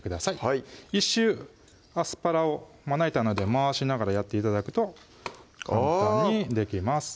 はい１周アスパラをまな板の上で回しながらやって頂くと簡単にできます